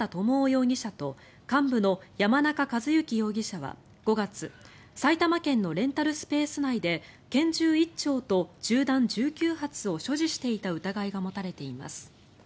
容疑者と幹部の山中和幸容疑者は５月埼玉県のレンタルスペース内で拳銃１丁と銃弾１９発を所持していた疑いが持たれています。